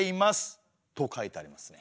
と書いてありますね。